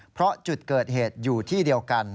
เพราะจุดเกิดเหตุอยู่ที่เดียวกัน